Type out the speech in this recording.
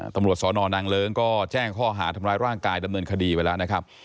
ตำรวจสนนางเลิ้งก็แจ้งข้อหาทำร้ายร่างกายดำเนินคดีไปแล้วนะครับ